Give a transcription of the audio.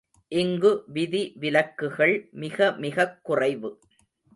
இங்கு விதி விலக்குகள் மிகமிகக் குறைவு.